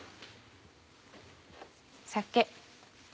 酒。